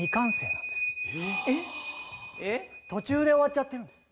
途中で終わっちゃってるんです。